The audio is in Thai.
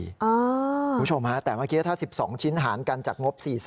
คุณผู้ชมฮะแต่เมื่อกี้ถ้า๑๒ชิ้นหารกันจากงบ๔๐